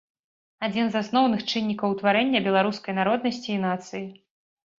Адзін з асноўных чыннікаў утварэння беларускай народнасці і нацыі.